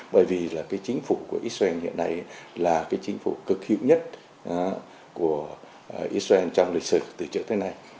bởi vì là cái chính phủ của israel hiện nay là cái chính phủ cực hữu nhất của israel trong lịch sử từ trước tới nay